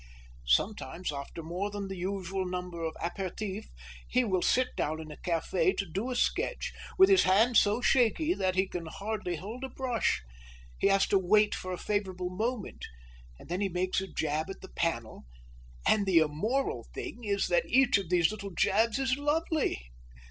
Sometimes, after more than the usual number of apéritifs, he will sit down in a café to do a sketch, with his hand so shaky that he can hardly hold a brush; he has to wait for a favourable moment, and then he makes a jab at the panel. And the immoral thing is that each of these little jabs is lovely.